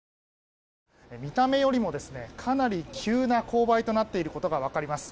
見た目よりもかなり急な勾配となっていることが分かります。